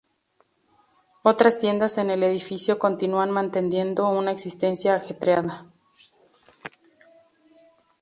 Otras tiendas en el edificio continúan manteniendo una existencia ajetreada.